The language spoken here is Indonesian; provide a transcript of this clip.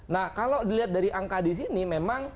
nah kalau dilihat dari angka di sini memang